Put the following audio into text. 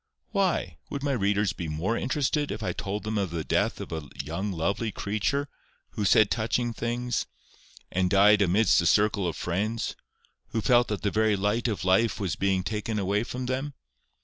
Why? Would my readers be more interested if I told them of the death of a young lovely creature, who said touching things, and died amidst a circle of friends, who felt that the very light of life was being taken away from them?